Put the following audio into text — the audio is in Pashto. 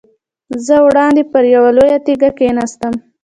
زه وړاندې پر یوه لویه تیږه کېناستم.